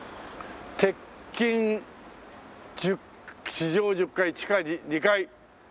「鉄筋」「地上１０階地下２階」。